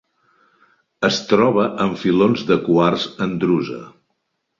Es troba en filons de quars en drusa.